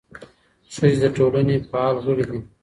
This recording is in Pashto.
ښځې د ټولنې فعاله غړي دي.